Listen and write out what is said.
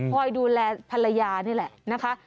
คอยดูแลภรรยานี่แหละนะคะ